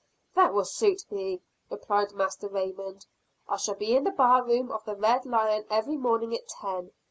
"That will suit me," replied Master Raymond, "I shall be in the bar room of the Red Lion every morning at ten.